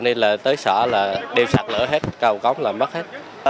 nên là tới xã là đêm sạt lở hết cầu cống là mất hết